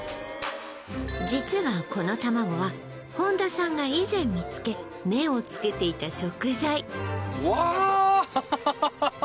実はこの卵は本田さんが以前見つけ目をつけていた食材わあ！